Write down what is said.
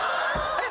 えっ？